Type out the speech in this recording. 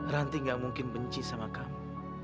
ranti gak mungkin benci sama kamu